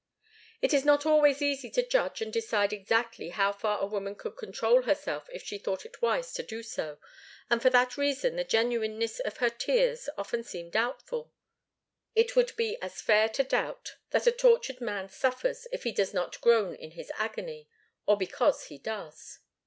It is not always easy to judge and decide exactly how far a woman could control herself if she thought it wise to do so, and for that reason the genuineness of her tears often seems doubtful. It would be as fair to doubt that a tortured man suffers if he does not groan in his agony, or because he does.